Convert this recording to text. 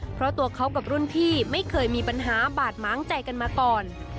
เพราะตัวเขากับรุ่นพี่ไม่เคยมีปัญหาบาดม้างใจกันมาก่อน